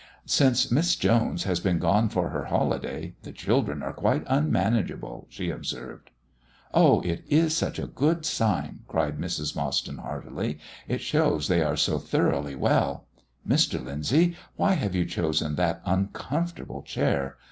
"Since Miss Jones has been gone for her holiday the children are quite unmanageable," she observed. "Oh, it is such a good sign!" cried Mrs. Mostyn heartily; "it shows they are so thoroughly well. Mr. Lyndsay, why have you chosen that uncomfortable chair?